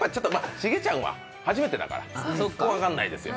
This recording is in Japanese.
重ちゃんは初めてだから分からないですよ。